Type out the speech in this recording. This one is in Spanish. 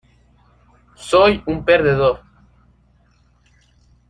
Soy un perdedor".